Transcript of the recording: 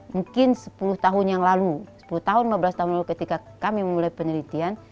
mungkin sepuluh tahun yang lalu sepuluh tahun lima belas tahun lalu ketika kami memulai penelitian